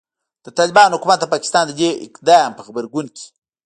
د طالبانو حکومت د پاکستان د دې اقدام په غبرګون کې